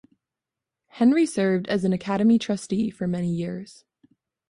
Henry served as an academy trustee for many years.